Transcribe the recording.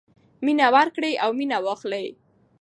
مینه ورکړئ او مینه واخلئ.